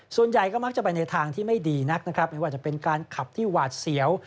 ส่วนใหญ่ก็มักจะไปในทางที่ไม่ดีนักนะครับไม่ว่าจะเป็นการขับที่หวาดเสียว